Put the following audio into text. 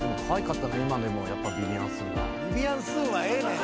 ビビアン・スーはええねん。